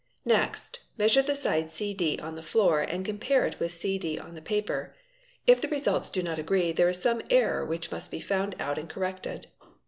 Next, measure the side cd on the floor and compare it with cd on the paper. If the results do not agree there is some error which must be found out and corrected.